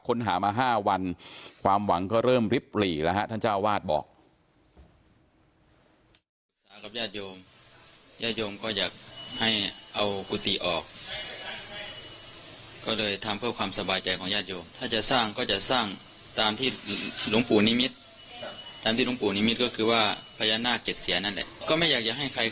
ค้นหามา๕วันความหวังก็เริ่มริบหลีแล้วฮะท่านเจ้าวาดบอก